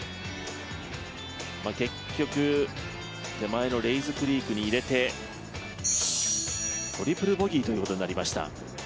結局、手前のレイズクリークに入れてトリプルボギーということになりました。